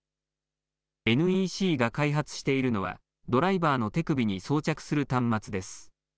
ＮＥＣが開発しているのはドライバーの手首に装着する端末です。